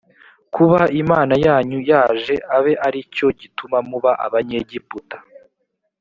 kuba imana yanyu yaje abe ari cyo gituma muba abany’egiputa